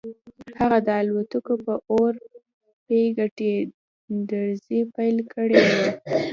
هغه د الوتکو په لور بې ګټې ډزې پیل کړې وې